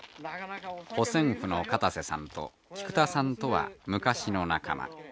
保線夫の片瀬さんと菊田さんとは昔の仲間。